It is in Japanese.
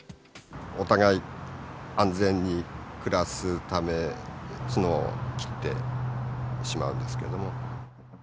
お互い安全に暮らすため、角を切ってしまうんですけれども。